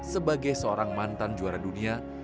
sebagai seorang mantan juara dunia